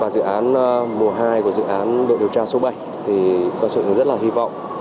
điều hai của dự án đội điều tra số bảy thì quan sự rất là hy vọng